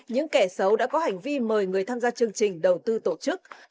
những kẻ xấu đã có hành vi mời người tham gia chương trình đầu tư tổ chức